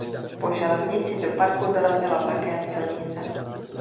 Po železnici do parku dorazila také silnice.